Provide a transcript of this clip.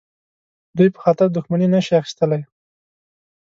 دوی په خاطر دښمني نه شي اخیستلای.